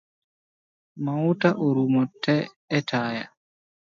Mauta orumo te etaya